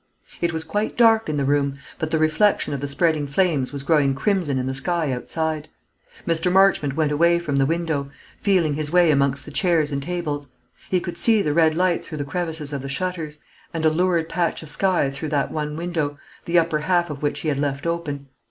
It was quite dark in the room, but the reflection of the spreading flames was growing crimson in the sky outside. Mr. Marchmont went away from the window, feeling his way amongst the chairs and tables. He could see the red light through the crevices of the shutters, and a lurid patch of sky through that one window, the upper half of which he had left open.